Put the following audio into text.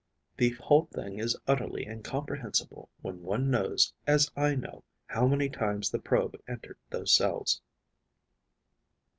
The whole thing is utterly incomprehensible when one knows, as I know, how many times the probe entered those cells.